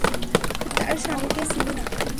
আমি তার স্বামীকে চিনি না।